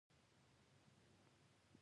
دا برخه په تجربه او قضاوت ولاړه ده.